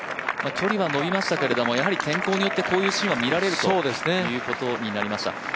距離は伸びましたけれども、、天候によってこういうシーンは見られるということでございました。